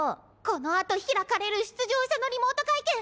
このあと開かれる出場者のリモート会見！